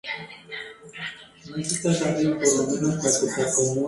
La República, tanto en sus principios como en la vida diaria, era una meritocracia.